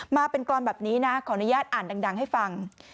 มาเป็นกรอนแบบนี้นะขออนุญาตอ่านดังให้ฟัง